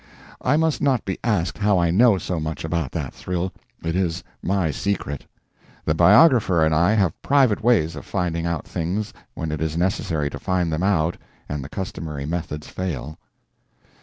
I must not be asked how I know so much about that thrill; it is my secret. The biographer and I have private ways of finding out things when it is necessary to find them out and the customary methods fail.